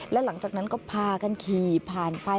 แล้วหลังจากนั้นก็พากันขี่ผ่านไป